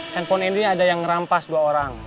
handphone ini ada yang merampas dua orang